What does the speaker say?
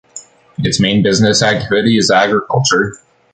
Its main business activity is agriculture